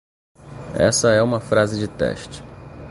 Essa é uma frase de teste